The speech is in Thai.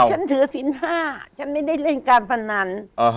ฉันถือศิลป์๕ฉันไม่ได้เล่นการพนัน